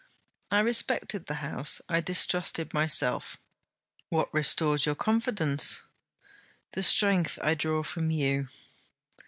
'I respected the house. I distrusted myself.' 'What restores your confidence?' 'The strength I draw from you.'